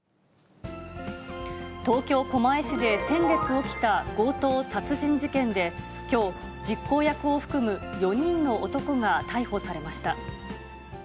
東京・狛江市で先月起きた強盗殺人事件で、きょう、実行役を含む４人の男が逮捕されました。